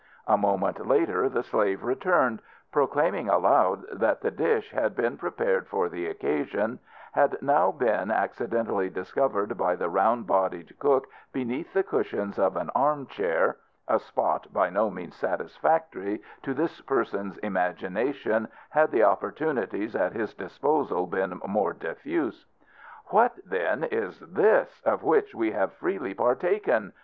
A moment later the slave returned, proclaiming aloud that the dish which had been prepared for the occasion had now been accidentally discovered by the round bodied cook beneath the cushions of an arm chair (a spot by no means satisfactory to this person's imagination had the opportunities at his disposal been more diffuse). "What, then, is this of which we have freely partaken?"